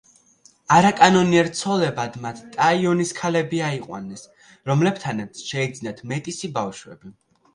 არაკანონიერ ცოლებად მათ ტაინოს ქალები აიყვანეს, რომლებთანაც შეეძინათ მეტისი ბავშვები.